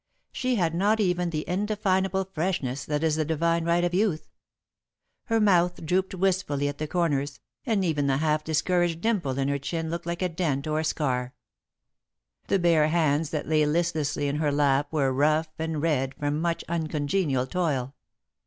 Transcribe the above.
She had not even the indefinable freshness that is the divine right of youth. Her mouth drooped wistfully at the corners, and even the half discouraged dimple in her chin looked like a dent or a scar. The bare hands that lay listlessly in her lap were rough and red from much uncongenial toil.